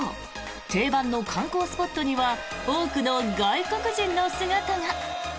定番の観光スポットには多くの外国人の姿が。